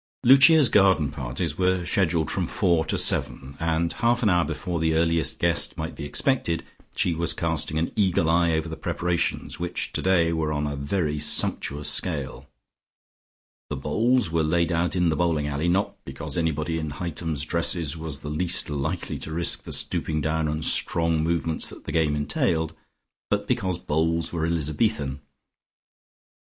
Lucia's garden parties were scheduled from four to seven and half an hour before the earliest guest might be expected, she was casting an eagle eye over the preparations which today were on a very sumptuous scale. The bowls were laid out in the bowling alley, not because anybody in Hightums dresses was the least likely to risk the stooping down and the strong movements that the game entailed, but because bowls were Elizabethan.